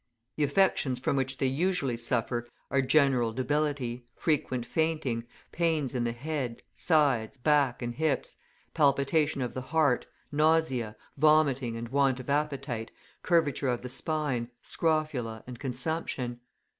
The affections from which they usually suffer are general debility, frequent fainting, pains in the head, sides, back, and hips, palpitation of the heart, nausea, vomiting and want of appetite, curvature of the spine, scrofula, and consumption.